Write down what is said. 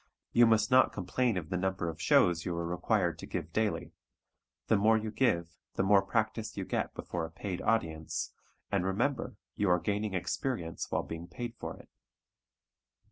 You must not complain of the number of shows you are required to give daily the more you give the more practice you get before a paid audience, and remember you are gaining experience while being paid for it.